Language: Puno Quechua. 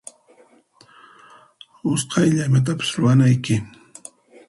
Usqaylla imatapis ruwanayki.